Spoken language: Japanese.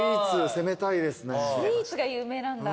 スイーツが有名なんだ。